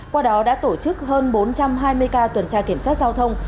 qua đó đã tổ chức hơn bốn trăm hai mươi ca tuần tra kiểm soát giao thông